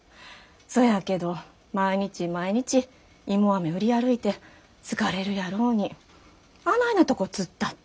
そやけど毎日毎日芋アメ売り歩いて疲れるやろうにあないなとこ突っ立って。